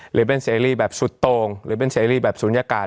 หรือเป็นเสรีแบบสุดโต่งหรือเป็นเสรีแบบศูนยากาศ